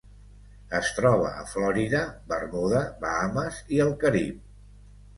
Es troba a Florida, Bermuda, Bahames i el Carib.